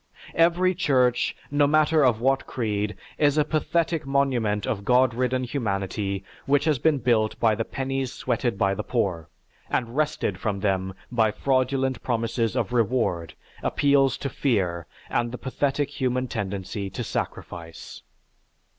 Every church, no matter of what creed, is a pathetic monument of God ridden humanity which has been built by the pennies sweated by the poor, and wrested from them by fraudulent promises of reward, appeals to fear, and the pathetic human tendency to sacrifice.